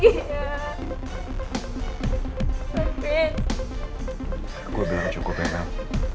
gue bilang cukup ya mel